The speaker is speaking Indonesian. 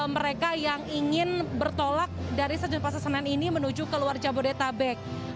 mereka yang ingin bertolak dari stasiun pasar senen ini menuju keluar jabodetang